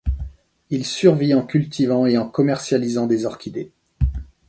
Il survit en cultivant et en commercialisant des orchidées.